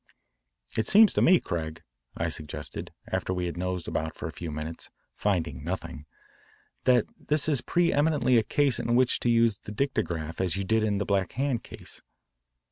"It seems to me, Craig," I suggested after we had nosed about for a few minutes, finding nothing, "that this is pre eminently a case in which to use the dictograph as you did in that Black Hand case."